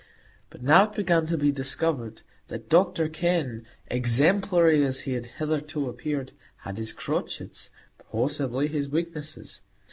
But now it began to be discovered that Dr Kenn, exemplary as he had hitherto appeared, had his crotchets, possibly his weaknesses.